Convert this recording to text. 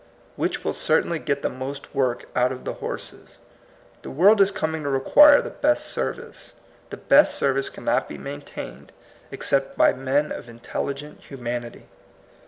Which will certainly get the most work out of the horses? The world is coming to require the best service. The best service cannot be maintained except by men of intelligent humanity.